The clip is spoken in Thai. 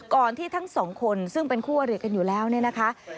ก่อนที่ท่านสองคนซึ่งเป็นคู่เอรีกันอยู่แล้วนี่นะคะ